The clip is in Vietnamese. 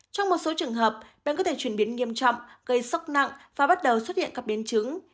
trong một số trường hợp bệnh có thể chuyển biến nghiêm trọng gây sốc nặng và bắt đầu xuất hiện các biến chứng